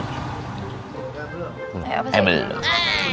kalau gitu sampai ketemu nanti